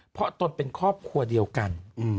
เพราะตนเป็นครอบครัวเดียวกัน